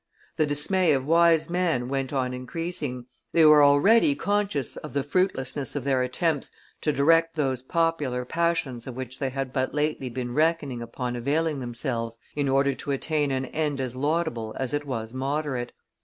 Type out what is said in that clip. The dismay of wise men went on increasing, they were already conscious of the fruitlessness of their attempts to direct those popular passions of which they had, but lately been reckoning, upon availing themselves in order to attain an end as laudable as it was moderate.